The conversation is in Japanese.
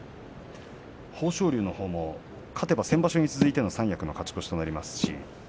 豊昇龍のほうも勝てば先場所に続いて、三役勝ち越しとなります。